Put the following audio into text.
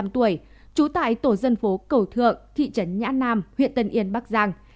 bốn mươi năm tuổi trú tại tổ dân phố cầu thượng thị trấn nhã nam huyện tân yên bắc giang